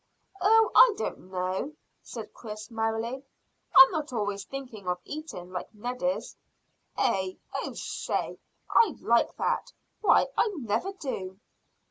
"Oh, I don't know," said Chris merrily. "I'm not always thinking of eating like Ned is." "Eh? Oh, I say! I like that! Why, I never do."